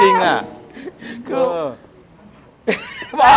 พี่หนุ่มพูดไปแล้ว